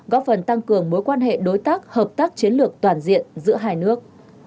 góp phần tăng cường mối quan hệ đối tác hợp tác chiến lược toàn diện giữa hai nước